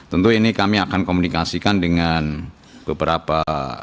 tentu ini kami akan komunikasikan dengan beberapa